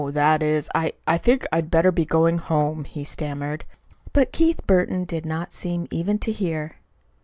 that is, I I think I'd better be going home," he stammered. But Keith Burton did not seem even to hear.